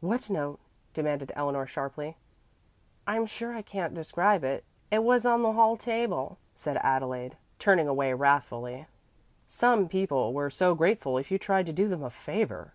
"What note?" demanded Eleanor sharply. "I'm sure I can't describe it. It was on the hall table," said Adelaide, turning away wrathfully. Some people were so grateful if you tried to do them a favor!